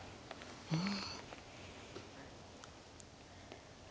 うん。